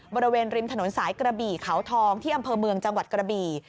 บริเวณริมถนนสายกระบี่เขาทองที่อำเภอเมืองจังหวัดกระบี่